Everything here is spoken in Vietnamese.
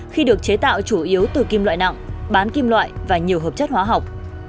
khi được chế tạo chủ yếu từ kim loại nặng bán kim loại và nhiều hợp chất hóa học